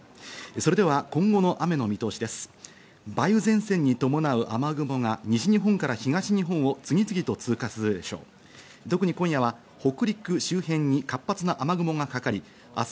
それでは今後の雨の見通しです。